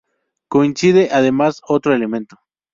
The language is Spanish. Coincide además otro elemento.